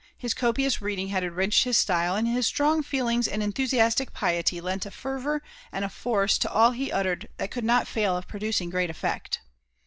Bis co pious reading had ^luicheM^ his «tyle ; and Us st^^g feeliiigB aad a^^* thusiastic piety lent a fervour and a force to all he uttered that awW piot fail jA producing great effect.